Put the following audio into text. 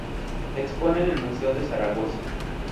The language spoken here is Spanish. Se expone en el Museo de Zaragoza.